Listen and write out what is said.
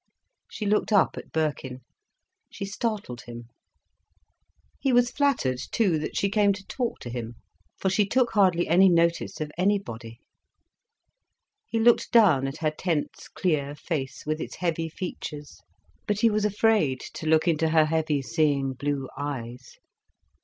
She looked up at Birkin. She startled him. He was flattered too that she came to talk to him, for she took hardly any notice of anybody. He looked down at her tense clear face, with its heavy features, but he was afraid to look into her heavy seeing blue eyes.